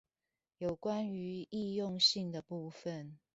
有關於易用性的部分